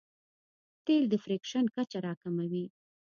تېل د فریکشن کچه راکموي.